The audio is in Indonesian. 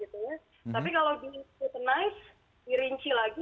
tapi kalau di sporttenis dirinci lagi